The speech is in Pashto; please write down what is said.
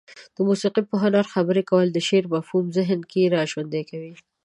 د موسيقي په هنر خبرې کول د شعر مفهوم ذهن کې را ژوندى کوي.